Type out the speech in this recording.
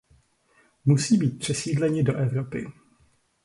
Musí být přesídleni do Evropy.